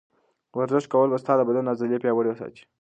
ورزش کول به ستا د بدن عضلې پیاوړې وساتي.